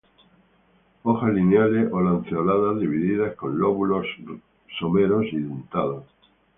Hojas lineales a lanceoladas, divididas, con lóbulos someros y dentados.